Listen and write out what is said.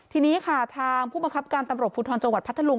ทีนี้ค่ะทางผู้บังคับการตำรวจภูทรจังหวัดพัทธลุง